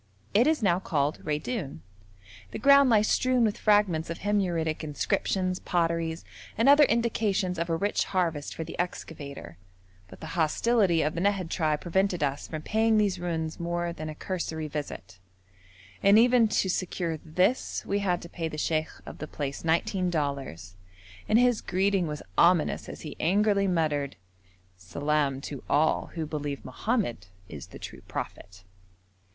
It is now called Raidoun. The ground lies strewn with fragments of Himyaritic inscriptions, pottery, and other indications of a rich harvest for the excavator, but the hostility of the Nahad tribe prevented us from paying these ruins more than a cursory visit, and even to secure this we had to pay the sheikh of the place nineteen dollars, and his greeting was ominous as he angrily muttered, 'Salaam to all who believe Mohammed is the true prophet.'